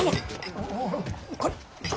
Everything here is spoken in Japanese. これ。